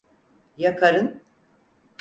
Ya karın?